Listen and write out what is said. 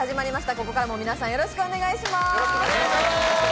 ここからも皆さん、よろしくお願いします。